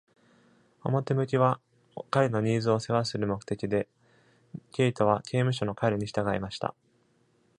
表向きは彼のニーズを世話する目的で、ケイトは刑務所の彼に従いました。